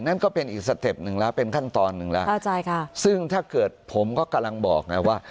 นั่นก็เป็นอีกสเต็ปหนึ่งมันก็เป็นขั้นตอนซึ่งถ้าเกิดผมกำลังบอกว่า